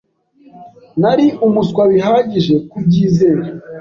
Nari umuswa bihagije kubyizera.